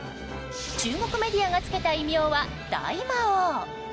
中国メディアがつけた異名は大魔王。